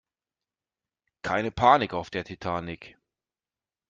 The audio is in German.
Keine Panik auf der Titanic!